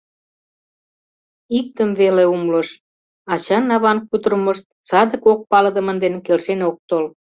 Иктым веле умылыш: ача-аван кутырымышт саде кок палыдымын дене келшен ок тол.